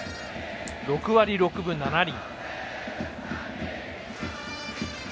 ６割６分７厘。